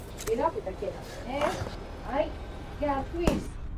The farm also features a plant nursery and markets every Sunday morning.